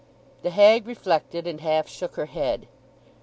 The hag reflected, and half shook her head.